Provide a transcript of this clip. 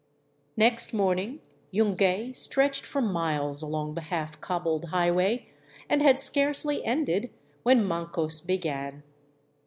Next morning Yungay stretched for miles along the half cobbled highway, and had scarcely ended when Mancos began.